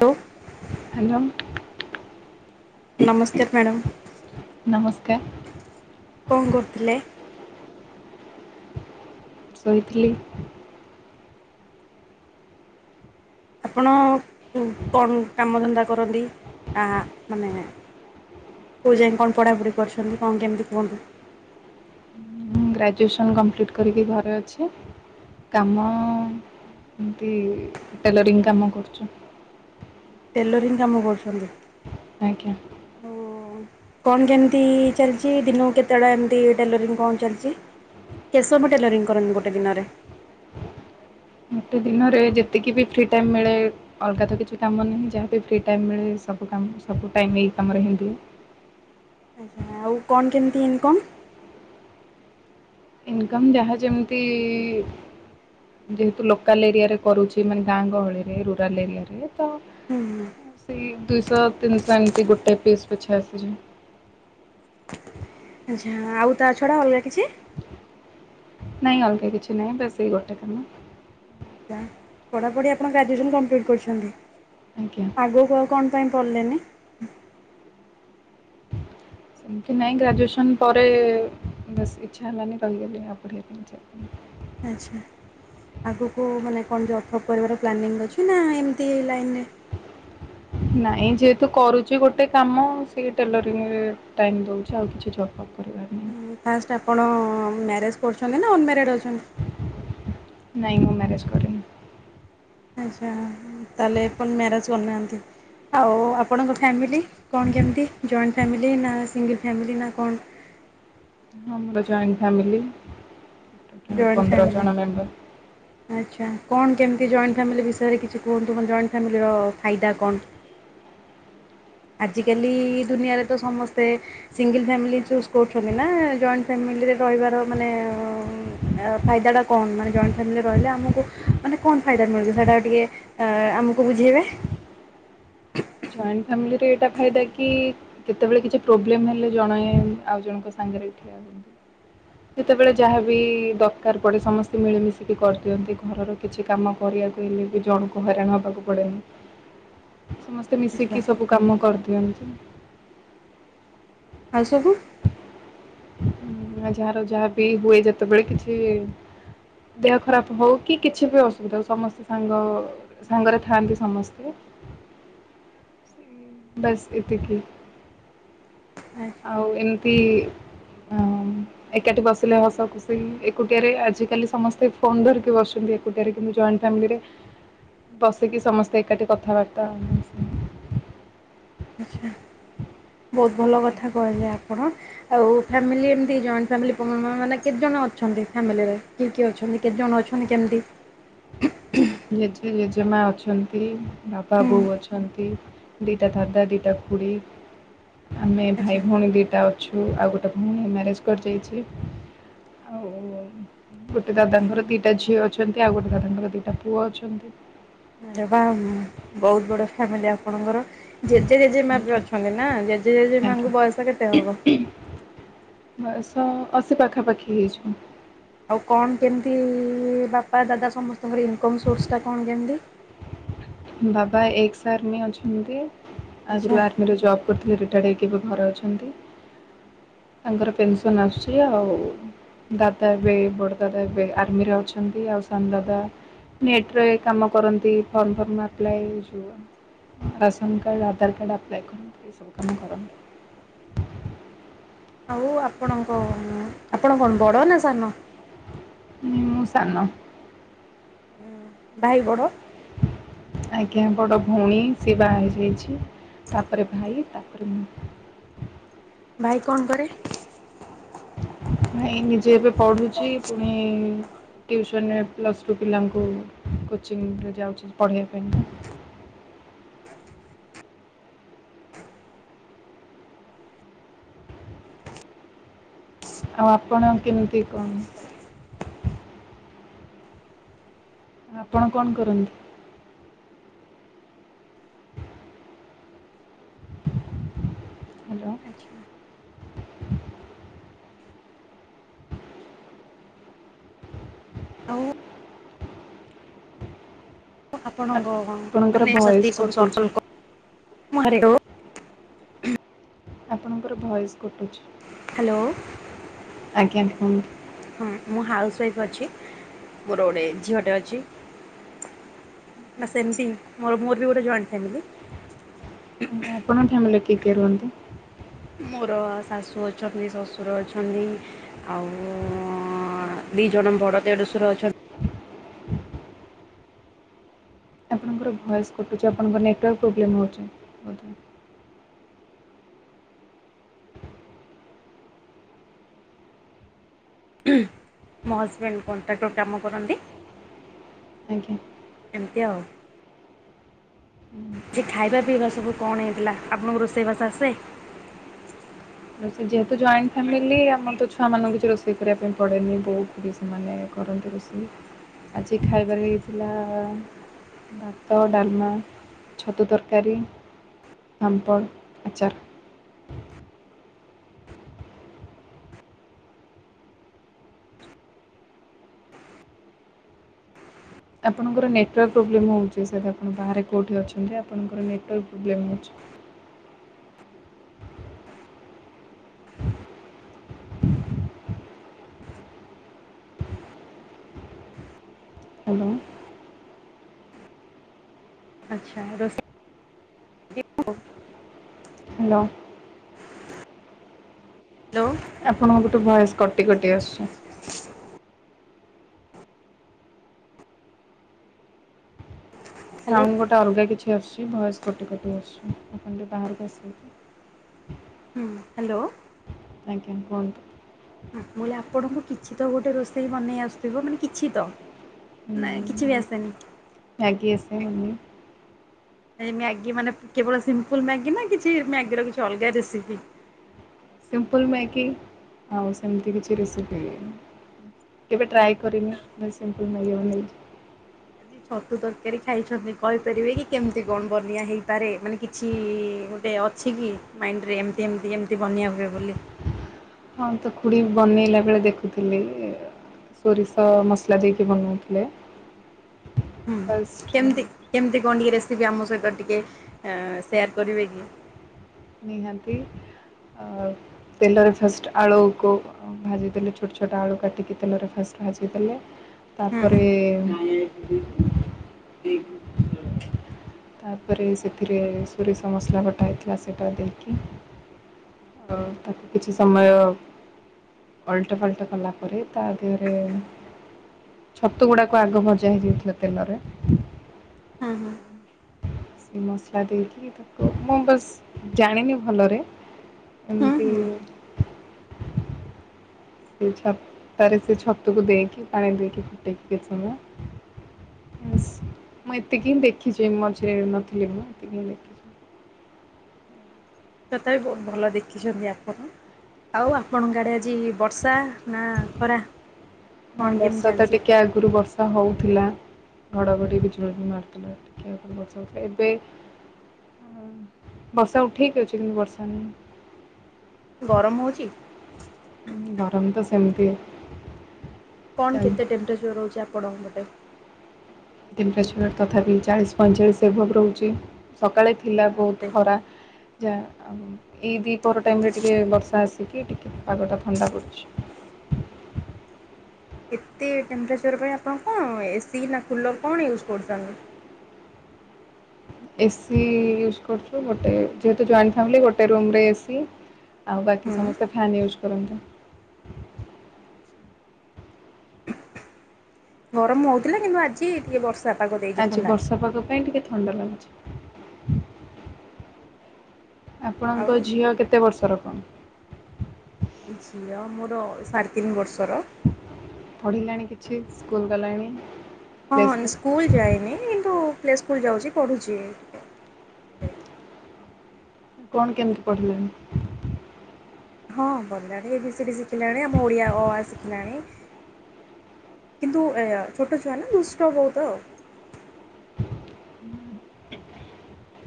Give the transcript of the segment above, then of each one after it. Hello hello ନମସ୍କାର madam. କା କଣ କରୁଥିଲେ? ଶୋଇଥିଲି। ଆପଣ-ଅ-ଅ କଣ କାମ ଧନ୍ଦା କରନ୍ତି, ଆ ମାନେ କୋଉ ଯାଏ କଣ ପଢାପଢି କରୁଛନ୍ତି, କଣ କେମିତି କୁହନ୍ତୁ? ମୁଁ ଗ୍ରାଜୁଏସନ୍ କମ୍ପ୍ଲିଟ୍ କରିକି ଘରେ ଅଛି। କାମ ଏମତି ଟେଲରିଙ୍ଗ କାମ କରୁଚୁ। ଟେଲରିଙ୍ଗ କାମ କରୁଚନ୍ତି। ଆଜ୍ଞା। କଣ କେମିତି ଚାଲିଚି ଦିନକୁ କେତଟା ଏମିତି ଟେଲରିଙ୍ଗ କାମ ଚାଲିଚି। କେଶବ ଟେଲରିଙ୍ଗ କରନ୍ତିୁ ଗୋଟେ ଦିନରେ। ଗୋଟ ଦିନରେ ଯେତିକି ବି ଫ୍ରି ଟାଇମ୍ ମିଳେ ଅଲଗା ତ କିଛି କାମ ନାହିଁ ଯାହାବି ଫ୍ରି ଟାଇମ୍ ମିଳେ ସବୁ କାମ ସବୁ ଟାଇମ୍ ଏଇ କାମରେ ହି ଦିଏ। ଆଛା ଆଉ କଣ କେମିତି ଇନ୍ କମ୍। ଇନକମ୍ ଯାହା ଯେମିତି ଯେହେତୁ ଲୋକାଲ ଏରିଆ ରେ କରୁଛି ମାନେ ଗାଁ ଗହଳିରେ ରୁରାଲ୍ ଏରିଆରେ ତ ହୁଁ ହୁଁ। ସେଇ ଦୁଇଶହ ତିନିଶହ ଏମିତି ଗୋଟେ ପିସ୍ ପିଛା ଆସୁଛି। ଆ ଆଉ ତା ଛଡା ଅଲଗା କିଛି? ନାଇଁ ଅଲଗା କିଛି ନାହିଁ ବାସ୍ ଏଇ ଗୋଟେ କାମ। ପଢାପଢି ଆପଣ ଗ୍ରାଜୁଏସନ୍ କପିଲିଟ କରିଛନ୍ତି ଆଜ୍ଞା ଆଗ କ କଣ ପାଇଁ କଲେନି। [inaudible] ସେମିତି ନାଇଁ ଗ୍ରାଜୁଏସନ୍ ପରେ ବଶ୍ ଇଛା ହେଲାନି ରହିଗଲି ଆଉ ପଢ଼ିବା ପାଇଁ ଇଚ୍ଛା ହେଲାନି। ଆଚ୍ଛା। ଆଗକୁ ମାନେ କଣ ଜବ୍ ଫବ୍ କରିବାକୁ ପ୍ଲାନିଂ ଅଛି ନା ଏମତି ଲାଇନ୍ ରେ ନାଁ ଇ । ଯେହେତୁ କରୁଚି ଗୋଟେ କାମ ସେ ଟେଲରିଂରେ ଟାଇମ୍ ଦେଉଛି ଆଉ କିଛି ଜବ୍ଅପ୍ କରିବାର ନାହିଁ। ଫାଷ୍ଟ ଆପଣ ମ୍ୟାରେଜ୍ କରୁଛନ୍ତି ନା ଅନମ୍ୟାରେଡ ଅଛନ୍ତି? ନାଇଁ ମୁଁ ମ୍ୟାରେଜ୍ କରିନି। ଆଚ୍ଛା ତାହେଲେ ଆପଣ ମ୍ୟାରେଜ କରୁନାହାନ୍ତି ଆଉ ଆପଣଙ୍କ ଫ୍ୟାମିଲି କଣ କେମିତି ଜଏଣ୍ଟ ଫ୍ୟାମିଲି ନା ସିଙ୍ଗଲ୍ ଫ୍ୟାମିଲି ନା କଣ? ଆମର ଜଏଣ୍ଟ ଫ୍ୟାମିଲି। ଜଏଣ୍ଟ ପନ୍ଦର ଫାମିଲ୍ ଜଣ ମେମ୍ବର ଆଛା। କଣ କେମିତି ଜଏଣ୍ଟ ଫ୍ୟାମିଲି ବିଷୟରେ କିଛି କୁହନ୍ତୁ ମ ଜଏଣ୍ଟ ଫ୍ୟାମିଲିର ଫାଇଦା କଣ? ଆଜିକାଲି ଦୁନିଆରେ ତ ସମସ୍ତେ ସିଙ୍ଗଲ ଫାମିଲି ଚୁଜ୍ କରୁଛନ୍ତି ନା ଜଏଣ୍ଟ ଫାମିଲ୍ ଫାମିଲି ରହିବାର ମାନେ ଫାଇଦା ଟା କଣ ମାନେ ଜଏଣ୍ଟ ଫାମିଲି ରହିଲେ ଆମକୁ ମାନେ କଣ ଫାଇଦା ମିଳୁଛି ସେଇଟା ଟିକେ ଆମକୁ ବୁଝେଇବେ। ଜଏଣ୍ଟ ଫାମିଲିରେ ଏଇଟା ଫାଇଦା କି କେତେବେଳେ କିଛି ପ୍ରୋବ୍ଲେମ୍ ହେଲେ ଜଣେ ଆଉ ଜଣଙ୍କ ସାଙ୍ଗ ଆଗରେ ଠିଆ ହୁଅନ୍ତି। ଯେତେବେଳେ ଯାହା ବିି ଦରକାର ପଡେ ସମସ୍ତେ ମିଳିମିଶିକି କରିଦିଅନ୍ତି ଘରର କିଛି କାମ କରି କରିବାକୁ ହେଲେ ଜଣକୁ ହଇରାଣ ହବାକୁ ପଡେନି ସମେ ଆଚ୍ଛା ମିଶିକି ସବୁ କାମ କରିଦିଅନ୍ତି। ଆଉ ସବୁ। ଯାହାର ଯାହା ବି ହୁଏ ଯେତେବେଳେ କିଛି ଦେହ ଖରାପ ହଉ କି କିଛି ବି ଅସୁବିଧା ହଉ ସମସ୍ତେ ସାଙ୍ଗ ସାଙ୍ଗରେ ଥାଆନ୍ତି ସମସ୍ତେ [inaudible] ବାସ୍ ଏତିକି ଆଚ୍ଛା ଆଉ ଏମିତି ହ ଏକାଠି ବସିଲେ ହସ ଖୁସି ଏକୁଟିଆରେ ଆଜିକାଲି ସମସ୍ତେ ଫୋନ ଧରିକି ବସ ଏକୁଟିଆ ଜଏଣ୍ଟ ଫାମରେ ବସିକି ସମସ୍ତେ ଏକାଠି କଥାବାର୍ତ୍ତା [inaudible] ବହୁତ ଭଲ କଥା କହିଲେ ଆପଣ ଆଉ ଫାମିଲି ଏମତି ଜଏଣ୍ଟ ଫାମିଲି ମାନେ, କେତେ ଜଣ ଅ ଫାମିଲିରେ କିଏ କିଏ ଅଛନ୍ତି, କେତେ ଜଣ ଅଛନ୍ତି, କେମିତି--? ଜେଜେ, ଜେଜେମା ଅଛନ୍ତି, ବାପା, ହୁଁ ବୋଉ ଅଛନ୍ତି ଦିଟା ଦାଦା ଦିଟା ଖୁଡି [inaudible] ଆମେ ଭାଇ ଆଚ୍ଛା ଭଉଣୀ ଦିଟା ଅଛୁ ଆଉ ଗୋଟେ ଭଉଣୀ ମ୍ୟାରେଜ କରି ଯାଇଛି । ଆଉ ଗୋଟେ ଦାଦାଙ୍କର ଦିଟା ଝିଅ ଅଛନ୍ତି ଆଉ ଗୋଟେ ଦାଦାଙ୍କର ଦିଟା ଟା ପୁଅ ଅଛନ୍ତି ଆରେ ବା ବହୁତ ବଡ ଫ୍ୟାମିଲି ଆପଣଙ୍କର ଜେଜେ ଜେଜେ ମା ବି ଆଜ୍ଞା। ଅଛନ୍ତି ନା ଜେଜେ ଜେଜେ ଆଜ୍ଞା ମାଙ୍କୁ ବୟସ କେତେ ହବ? ବୟସ ଅଶି ପାଖାପାଖି ହେଇଯିବ। ଆଉ କଣ କେମତି, ବାପା ଦାଦା ସମସ୍ତଙ୍କର ଇନକମ୍ ସୋର୍ସ ଟା କଣ କେମିତି? [inaudible] ବାବା ଏକ୍ସ ଆର୍ମି ଅଛନ୍ତି, ଆଚ୍ଛା ଆଗରୁ ଆର୍ମିରେ ଜବ୍ କରିଥିଲେ ତାଡ଼େଇକି ଏବେ ଘରେ ଅଛନ୍ତି, ତାଙ୍କର ପେନସନ୍ ଆସୁଛି ଆଉ ଦାଦା ଏବେ ବଡ ଦାଦା ଏବେ ଆର୍ମିରେ ଅଛନ୍ତି ଆଉ ସାନ ଦାଦା ନେଟରେ କାମ କରନ୍ତି form form ration card, Aadhaar card, apply କରନ୍ତି ଏଇ ସବୁ କାମ କରନ୍ତି । [inaudible] ଆଉ ଆପଣଙ୍କ ଆପଣ କଣ? ବଡ ନା ସାନ ମୁଁ ସାନ । ଭାଇ ବଡ଼ ଆଜ୍ଞା। ବଡ ଭଉଣୀ ସିଏ ବାହା ହେଇଯାଇଛି । ତାପରେ ଭାଇ, ତାପରେ ମୁଁ ଭାଇ କଣ କରେ? ଭାଇ ନିଜେ ଏବେ ପଢୁଛି ପୁଣି ଟ୍ୟୁସନେ ପ୍ଲସ୍ ଟୁ ପିଲାଙ୍କୁ କୋଚିଂରେ ଯାଉଛି ପଢ଼େଇବା ପାଇଁ [inaudible] ଆଉ ଆପଣ କେମିତି କଣ? ଆପଣ କଣ କରନ୍ତି? ହାଲୋ ଆଚ୍ଛା ଆଉ ଆପଣଙ୍କ ଆପଣଙ୍କର ଭଏସ୍ କଟୁଛି ସରକଲ୍ ଆପଣଙ୍କର ଭଏସ ହ୍ୟାଲୋ, ଆଜ୍ଞା କୁହନ୍ତୁ ହଁ ମୁଁ ହାଉସ୍ୱା ୱାଇଫ୍ ଅଛି। ମୋର ଗୋଟେ ଝିଅଟେ ଅଛି ନା ସେମିତି ମୋ ମୋର ବି ଗୋଟେ ଜଏଣ୍ଟ ଫ୍ୟାମିଲି । ଆଜ୍ଞା, ଆପଣଙ୍କ ଫ୍ୟାମିଲିରେ କିଏ କିଏ ରୁହନ୍ତି? ମୋର ଶାଶୁ ଅଛନ୍ତି, ଶଶୂର ଅଛନ୍ତି ଆଉ ଦି ଜଣ ବଡ ଦେଡଶୂର ଅଛନ୍ତି । ଆପଣଙ୍କର ଭଏସ୍ କଟୁଛି ଆପଣଙ୍କର ନେଟୱାର୍କ ପ୍ରୋବ୍ଲେମ୍ ହେଉଛି ବୋଧେ ମୋ ହଜବ୍ୟଣ୍ଡ କଣ୍ଟ୍ରାକ୍ଟ୍ର କାମ କରନ୍ତି ଆଜ୍ଞା। । ଏମିତି ଆଉ ଖାଇବା ପିଇବା ସବୁ କଣ ହେଇଥିଲା? ଆପଣଙ୍କ ରୋଷେଇବାସ ଆସେ ରୋଷେଇ ଯେହେତୁ ଜଏଣ୍ଟ ଫ୍ୟାମିଲି ଆମର ତ ଛୁଆ ମାନଙ୍କୁ କିଛି ରୋଷେଇ କରିବା ପାଇଁ ପଡ଼େନି ବହୁତ ବି ସେମାନେ କରନ୍ତି ରୋଷେଇ ଆଜି ଖାଇବାରେ ହେଇଥିଲା ଭାତ ଡାଲମା ଛତୁ ତରକାରୀ ପାମ୍ପଡ ଆଚାର ଆପଣଙ୍କର ନେଟୱାର୍କ ପ୍ରୋବ୍ଲେମ୍ ହେଉଛି ସାଏଦ ଆପଣ ବାହାରେ କେଉଁଠି ଅଛନ୍ତି ଆପଣଙ୍କର ନେଟୱାର୍କ ପ୍ରୋବ୍ଲେମ୍ ହେଉଛି ହେଲୋ ଆଚ୍ଛା ରଷେଇ ଦେଖ [inaudible] ହ୍ୟାଲୋ ହ୍ୟାଲୋ ଆପଣଙ୍କ ଗୋଟେ ଭଏସ୍ କୋଟି କୋଟି ଆସୁଛି । ହ୍ୟାଲୋ ସାଉଣ୍ଡ ଗୋଟେ ଅଲଗା କିଛି ଅସୁଛି । ଭଏସ୍ କୋଟି କୋଟି ଆସଛି ଆପଣ ବି ବାହାରକୁ ଆସିବେକି? ହଁ ହ୍ୟାଲୋ ଆଜ୍ଞା କହନ୍ତୁ । ବଲେ ଆପଣଙ୍କୁ କିଛି ତ ଗୋଟେ ରୋଷେଇ ବନେଇ ଆସୁଥିବ ମାନେ କିଛି ତ? ହୁଁ ନାଇଁ କିଛି ବି ମ୍ୟାଗି ଆସେନି ଆସେ ବନେଇ । ମ୍ୟାଗି ମାନେ କେବଳ ସିମ୍ପଲ ମ୍ୟାଗି ନା କିଛି ମ୍ୟାଗିର କିଛି ଅଲଗା ରେସିପି? [unintelligible] ସିମ୍ପଲ୍ ମ୍ୟାଗି ହଉ ସେମିତି କିଛି ରେସିପି ହେନି ବେ ଟ୍ରାଇ କରିନି ବସ୍ ସିମ୍ପଲ ମ୍ୟାଗି ବନେଇଛି । ଆ ଛତୁ ତରକାରୀ ଖାଇଛନ୍ତି କହିପାରିବେ କି? କେମିତି କଣ ବନିଆ ହେଇପାରେ ମାନେ କିଛି ଏ ଅଛି କି? ମାଇଣ୍ଡରେ ଏମିତି ଏମିତି ଏମିତି ବନଆ ହୁଏ ବୋଲି । ହଁ ତ ଖୁଡି ବନେଇଲା ବେଳେ ଦେଖୁଥିଲି ସୋରିଷ ମସଲା ଦେଇକି ବନଉଥିଲେ । ହୁଁ କେମତି କେମିତି କଣ ଟିକେ ରେସିପି ଆମ ସହିତ ଟିକେ ସେୟାର କରିବେ କି? ନିହାତି । ତେଲରେ ଫାଷ୍ଟ ଆଳୁକୁ ଭାଜି ଦେେଲେ ଛୋଟ ଛୋଟ ଆଳୁ କାଟିକି ତେଲରେ ଫାଷ୍ଟ ାଜ ଦେଲେ ହୁଁ ତାପରେ [unintelligible] ତାପରେ ସେଥିରେ ସୋରିଷ ମସଲା ବଟା ହେଇଥିଲା ସେଇଟା ଦେଇକି ଅ ତାକୁ କିଛି ସମୟ ଅଲଟପାଲଟ କଲା ପରେରେ ତା ଦେହରେ ଛତୁ ଗୁଡାକୁ ଆଗ ଭଜା ହେଇଯାଉଥିଲା ତେଲରେ ହଁ ହଁ ସେ ମସଲା ଦେଇକି ତାକୁ ମୁଁ ବସ୍ ଜାଣିନି ଭଲରେ ହୁଁ ଏମିତି ହୁଁ [unintelligible] ସେ ଛାରେ ସେ ଛତକୁ ଦେଇକି ପାଣି ଦେଇକି ଫୁଟେଇକି ସମ ସ୍ ମୁଁ ଏତିକି ହିଁ ଦେଖିଛି ମଝିରେ ନଥିଲି ମୁଁ ଏତିକି ହିଁ ଦେଖିଛି । ତଥାପି ବହୁତ ଭଲ ଦେଖିଛନ୍ତି ଆପଣ । ଆଉ ଆପଣଙ୍କ ଆଡେ ଆଜି ବର୍ଷା ନା ଖରା? ହ କଣ କେମିତି ବର୍ଷା ତ ଚାଲିଛି? ଟିକେ ଆଗରୁ ବର୍ଷା ହଉ ଥିଲା ଘଡ଼ଘଡ଼ି ବିଜୁଳି ବି ମାରୁଥିଲା । ଟିକେ ବର୍ଷା ହୋଉଥିଲା ଏବେ ହ ବର୍ଷା ଉଠେଇକି ଅଛି କିନ୍ତୁ ବର୍ଷା ନାହିଁ । ଗରମ ହଉଚି? ଗରମ ତ ସେମିତି । କଣ? କେତେ ଟେମ୍ପରେଚର ରହୁଛି ଆପଣଙ୍କ ପେଟ? ଟେମ୍ପରେଚର ତଥାପି ଚାଳିଶ ପଇଁଚାଳିଶ ଏଭବ ରହୁଛି ସକାଳେ ଥିଲା ବାପରେ ବହୁତ ଖରା ଯାହା ଏଇ ଦ୍ୱିପହର ଟାଇମ୍ ରେ ଟିକେ ବର୍ଷା ଆସିକି ଟିକେ ପାଗଟା ଥଣ୍ଡା ପଡୁଛି। [unintelligible] ଏତେ ଟେମ୍ପରେଚର୍ ପାଇଁ ଆପଣ କଣ ଏସି ନା କୁଲର୍ କଣ ୟୁଜ୍ କରୁଛନ୍ତି? ଏ ସିି ୟୁଜ୍ କରୁଛୁ ଗୋଟେ ଯେହେତୁ ଜଏଣ୍ଟ ଫ୍ୟାମିଲି ଗୋଟେ ରୁମରେ ଏ ସିି ଆଉ ବାକି ହୁଁ ସମସ୍ତେ ଫ୍ୟାନ୍ ୟୁଜ୍ କରନ୍ତି। [unintelligible] ଗରମ ହଉଥିଲା କିନ୍ତୁ ଆଜି ଟିକେ ବର୍ଷା ପାଗ ଦେଇଛି ଆଜି ଥଣ୍ଡା। ବର୍ଷା ପାଗ ପାଇଁ ଟିକେ ଥଣ୍ଡା ଲାଗୁଚି। ଆଉ ଆପଣଙ୍କ ଝିଅ କେତେ ବର୍ଷର କଣ? ଝିଅ ମୋର ସାଢ଼େ ତିନି ବର୍ଷର। ପଢ଼ିଲାଣି କିଛି ସ୍କୁଲ ଗଲାଣି। ପ୍ଲେ ହଁ ସ୍କୁଲ୍ ସ୍କୁଲ ଯାଇନି କିନ୍ତୁ ପ୍ଳେ ସ୍କୁଲ ଯାଉଛି ପଢୁଛି। [unintelligible] କଣ କେମିତି ପଢିଲାଣି? ହଁ ଗଲାଣି ଏ ବି ସେଇଠି ଶିଖିଲାଣି ଆମ ଓଡ଼ିଆ ଅ ଆ ଶିଖିଲାଣି। କିନ୍ତୁ ଏ ଛୋଟ ଛୁଆ ନା ଦୁଷ୍ଟ ବହୁତ ଆଉ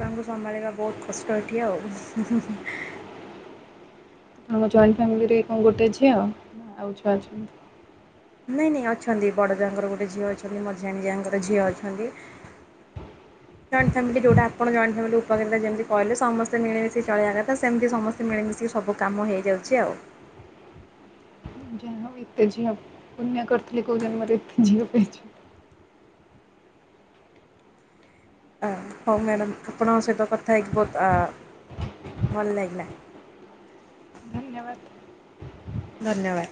ଛୁଆଙ୍କୁ ସମ୍ଭାଳିବା ବହୁତ କଷ୍ଟ ଏଠି ଆଉ [inaudible] ଆମ ଜଏଣ୍ଟ ଫ୍ୟାମିଲିରେ କଣ ଗୋଟେ ଝିଅ ଆଉ ଛୁଆ ଅଛି। ନାଇଁ ନାଇଁ ଅଛନ୍ତି, ବଡ ଯାଙ୍କର ଗୋଟେ ଝିଅ ଅଛନ୍ତି, ମଝିଆଁ ଯାଙ୍କର ଝିଅ ଅଛନ୍ତି। ଜଏଣ୍ଟ ଫ୍ୟାମିଲି ଯୋଉଟା ଆପଣ ଜଏଣ୍ଟ ଫ୍ୟାମିଲି କହିଲେ ଯେମିତି କହିଲେ ସମସ୍ତେ ମିଳିମଶି ଚଳେଇବା କଥା ସେମିତି ସମସ୍ତେ ମିଳିମଶି ସବୁ କାମ ହେଇ ଯାଉଛି ଆଉ। ଯାହା ହଉ ଏତେ ଝିଅ ପୁଣ୍ୟ କରିଥିଲି କୋଉ ଜନ୍ମରେ ଝିଅ ପାଇଛି। ହଉ ମ୍ୟାଡ଼ାମ ଆପଣଙ୍କ ସହିତ କଥା ହେଇ ବହୁତ ଆ ଭଲ ଲାଗିଲା। ଧନ୍ୟବାଦ ଧନ୍ୟବାଦ।